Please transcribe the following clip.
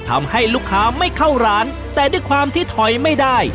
ทำให้ลูกค้าไม่เข้าร้านแต่ด้วยความที่ถอยไม่ได้